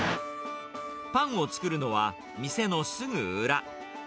パンを作るのは、店のすぐ裏。